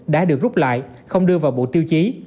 đã được rút lại không đưa vào bộ tiêu chí